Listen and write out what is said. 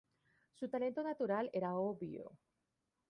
Su talento natural era obvio.